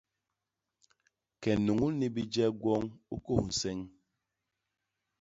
Ke nuñul ni bijek gwoñ, u kôs nseñ.